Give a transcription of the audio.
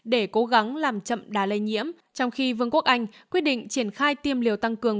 để cố gắng làm chậm đá lây nhiễm trong khi vương quốc anh quyết định triển khai tiêm liều tăng cường